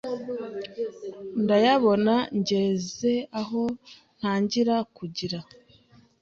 ndayabona ngeze aho ntangira kugira